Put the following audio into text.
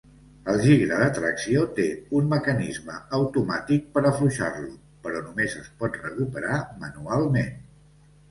El gigre de tracció té un mecanisme automàtic per afluixar-lo, però només es pot recuperar manualment.